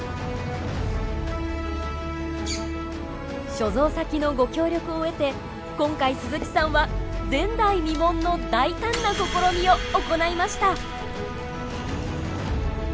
所蔵先のご協力を得て今回鈴木さんは前代未聞の大胆な試みを行いました。